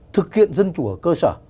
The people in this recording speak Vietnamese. thực hiện dân chủ ở cơ sở